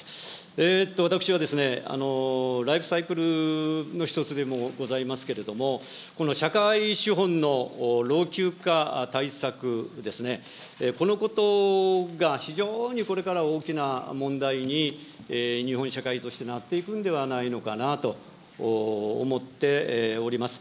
えっと、私はライフサイクルの１つでもございますけれども、社会資本の老朽化対策ですね、このことが非常にこれから大きな問題に、日本社会としてなっていくんではないのかなと思っております。